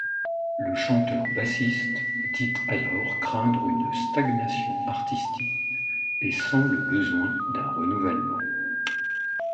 Le chanteur-bassiste dit alors craindre une stagnation artistique et sent le besoin d'un renouvellement.